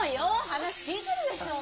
話聞いてるでしょう。